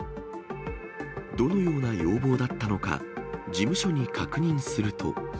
どのような要望だったのか、事務所に確認すると。